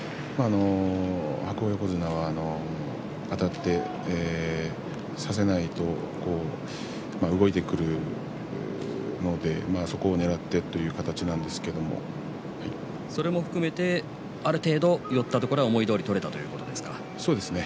白鵬横綱はあたって差されないと動いてくるのでそこをねらったそれも含めて、ある程度寄ったところを思いどおり取れたということなんですね。